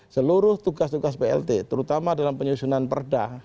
seluruh tugas tugas plt terutama dalam penyusunan perda